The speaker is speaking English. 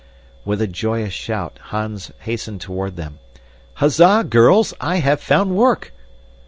With a joyous shout Hans hastened toward them. "Huzza, girls, I've found work!"